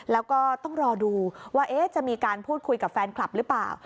แล้วก็ต้องรอดูว่าจะมีการพูดคุยกับแฟนคลับหรือเปล่า